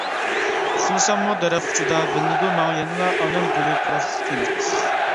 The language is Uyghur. ئۇخلىساممۇ دەرەخ ئۇچىدا، بىلىنىدۇ ماڭا يەنىلا ئانارگۈلى پۇراقلىق تىنىق.